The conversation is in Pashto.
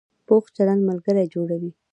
پوخ چلند ملګري جوړوي